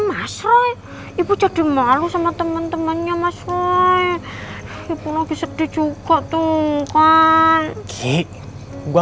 mas roy ibu jadi malu sama temen temennya mas roy ibu lagi sedih juga tuh kan ki gua